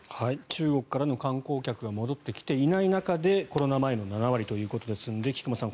中国からの観光客が戻ってきていない中でのコロナ前の７割ということですので菊間さん